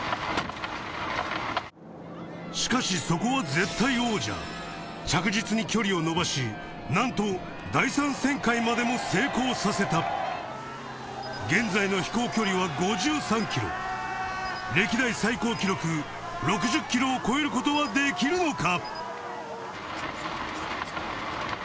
しかしそこは絶対王者着実に距離を伸ばしなんと第３旋回までも成功させた現在の飛行距離は５３ｋｍ歴代最高記録６０ｋｍを超える事はできるのか？